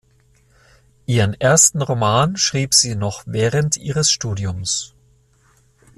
Ihren ersten Roman schrieb sie noch während ihres Studiums.